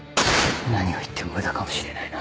何を言っても無駄かもしれないな。